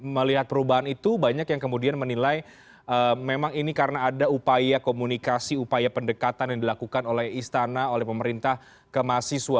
melihat perubahan itu banyak yang kemudian menilai memang ini karena ada upaya komunikasi upaya pendekatan yang dilakukan oleh istana oleh pemerintah ke mahasiswa